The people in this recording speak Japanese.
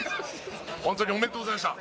ホントにおめでとうございました。